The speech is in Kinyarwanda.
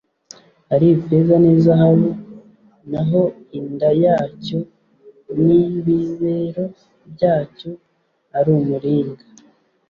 ari ifeza ni zahabu naho inda yacyo n’ibibero byacyo ari umuringa